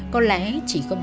có lẽ chỉ không được